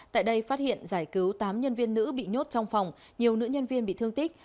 tại đây phát hiện giải cứu tám nhân viên nữ bị nhốt trong phòng nhiều nữ nhân viên bị thương tích